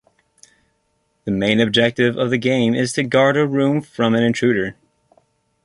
The main objective of the game is to guard a room from an intruder.